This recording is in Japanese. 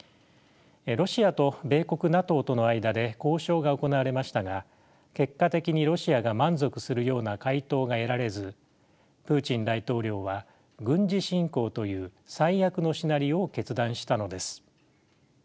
ロシアと米国・ＮＡＴＯとの間で交渉が行われましたが結果的にロシアが満足するような回答が得られずプーチン大統領は軍事侵攻という最悪のシナリオを決断したのです。